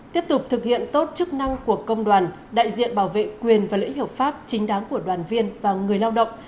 tiếp tục thực hiện tốt chức năng của công đoàn đại diện bảo vệ quyền và lễ hiệu pháp chính đáng của đoàn viên và người lao động